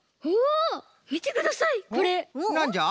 なんじゃ？